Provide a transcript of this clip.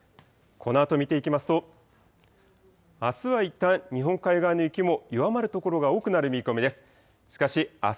このあと見ていきますと、あすはいったん日本海側の雪も弱まる所が多くなる見込みです。